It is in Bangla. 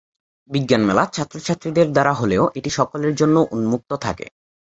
বিজ্ঞান মেলা ছাত্রছাত্রীদের দ্বারা হলেও এটি সকলের জন্য উন্মোক্ত থাকে।